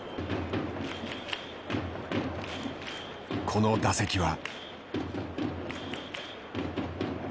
この打席は。